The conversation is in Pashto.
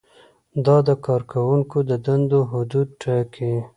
دا د کارکوونکو د دندو حدود ټاکي.